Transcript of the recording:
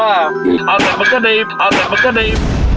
อ๋าสังมาคฎดี